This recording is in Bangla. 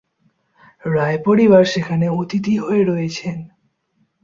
রায় পরিবার সেখানে অতিথি হয়ে রয়েছেন।